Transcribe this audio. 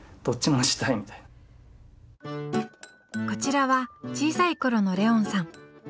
こちらは小さい頃のレオンさん。